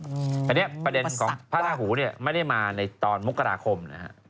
อืมประสักปะแต่เนี่ยประเด็นของพระราหูเนี่ยไม่ได้มาในตอนมุกกราคมนะครับ